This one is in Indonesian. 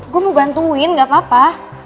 gue mau bantuin gapapa